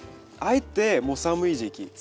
あえてもう寒い時期。